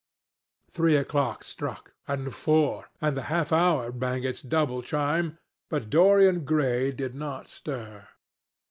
Three o'clock struck, and four, and the half hour rang its double chime, but Dorian Gray did not stir.